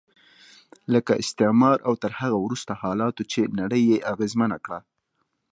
لکه استعمار او تر هغه وروسته حالاتو چې نړۍ یې اغېزمنه کړه.